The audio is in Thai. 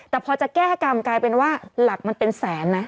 แต่พอจะแก้กรรมกลายเป็นว่าหลักมันเป็นแสนนะ